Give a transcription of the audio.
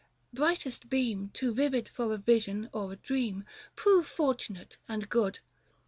Brightest beam Too vivid for a vision or a dream 30 Prove fortunate and good